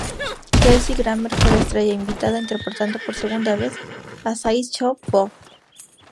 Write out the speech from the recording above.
Kelsey Grammer fue la estrella invitada, interpretando por segunda vez a Sideshow Bob.